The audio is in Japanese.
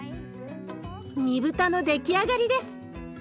煮豚の出来上がりです。